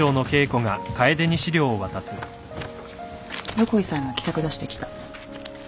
横井さんが企画出してきた。